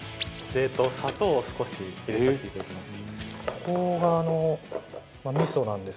砂糖を少し入れさせていただきます。